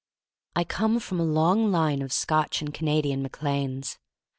I COME from a long line of Scotch and Canadian Mac Lanes.